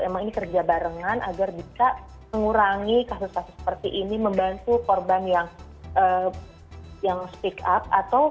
emang ini kerja barengan agar bisa mengurangi kasus kasus seperti ini membantu korban yang speak up